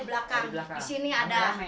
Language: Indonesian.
di sini ada